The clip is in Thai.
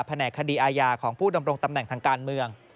แหนกคดีอาญาของผู้ดำรงตำแหน่งทางการเมือง